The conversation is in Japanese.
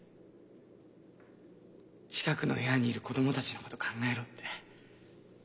近くの部屋にいる子どもたちのこと考えろって。